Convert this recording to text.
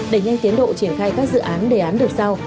đẩy nhanh tiến độ triển khai các dự án đề án được sau